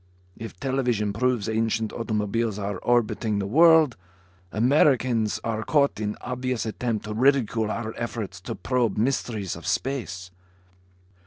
If television proves ancient automobiles are orbiting the world, Americans are caught in obvious attempt to ridicule our efforts to probe mysteries of space."